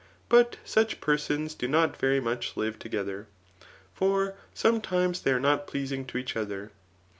But such persons do not very much live tf^eiher ; for sometimes they are not pleasing to each other.